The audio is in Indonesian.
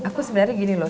aku sebenarnya gini loh